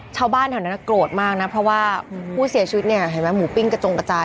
ชาวบ้านแถวนั้นโกรธมากนะเพราะว่าผู้เสียชีวิตเนี่ยเห็นไหมหมูปิ้งกระจงกระจาย